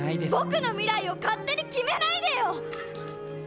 僕の未来を勝手に決めないでよ